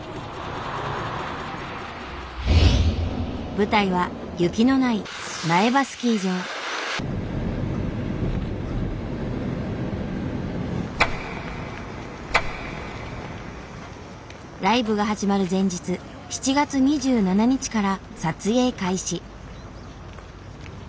舞台は雪のないライブが始まる前日７月２７日から撮影開始。